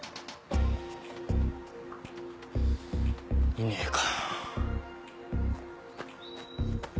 いねえか。